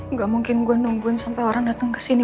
nggak mungkin gue nungguin sampe orang dateng kesini